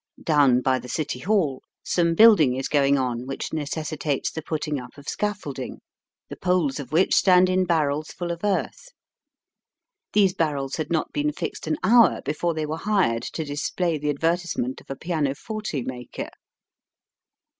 Down by the City Hall some building is going on which necessitates the putting up of scaffold ing, the poles of which stand in barrels full of earth. These barrels had not been fixed an hour before they were hired to display the advertisement of a pianoforte maker.